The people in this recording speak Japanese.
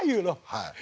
はい。